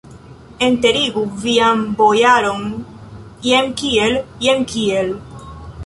Enterigu vian bojaron, jen kiel, jen kiel!